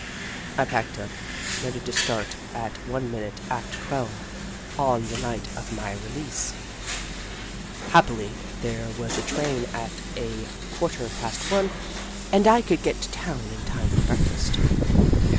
I packed up, ready to start at one minute after twelve on 51 52 The Book of Clever Beasts the night of my release. Happily, there was a train at a quarter past one, and I could get to town in time for breakfast.